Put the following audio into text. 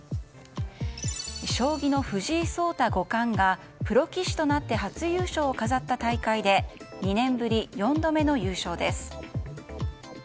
将棋の藤井聡太五冠がプロ棋士となって初優勝を飾った大会で２年ぶり４度目の優勝です。